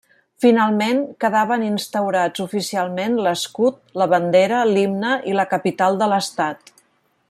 Finalment, quedaven instaurats oficialment l'escut, la bandera, l'himne i la capital de l'Estat.